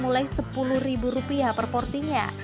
di patok mulai sepuluh rupiah per porsinya